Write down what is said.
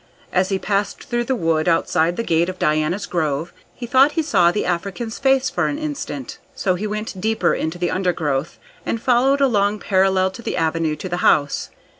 As he passed through the wood outside the gate of Diana's Grove, he thought he saw the African's face for an instant. So he went deeper into the undergrowth, and followed along parallel to the avenue to the house.